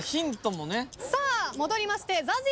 さあ戻りましてＺＡＺＹさん。